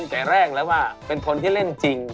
แต่แรกแล้วว่าเป็นคนที่เล่นจริง